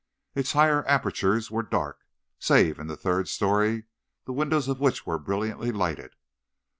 Its higher apertures were dark, save in the third story, the windows of which were brilliantly lighted.